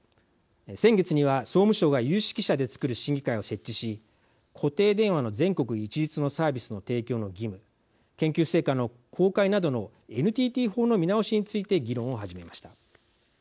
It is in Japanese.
先月には総務省が有識者で作る審議会を設置し固定電話の全国一律のサービスの提供の義務研究成果の公開などのＮＴＴ法の見直しについて議論を始めました。